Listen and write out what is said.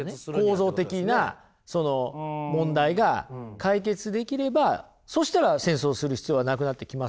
構造的な問題が解決できればそしたら戦争する必要はなくなってきますよね。